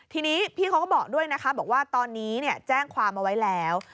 ทีนี้พี่เขาก็บอกด้วยนะคะบอกว่าตอนนี้แจ้งความเอาไว้แล้ว